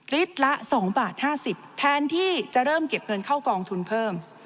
ลิตรละ๒บาท๕๐แทนที่จะเริ่มเก็บเงินเข้ากองทุนเพิ่ม